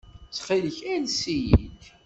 Ttxil-k, ales-iyi-d.